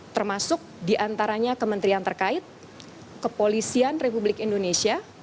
termasuk diantaranya kementerian terkait kepolisian republik indonesia